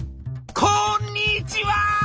「こんにちは！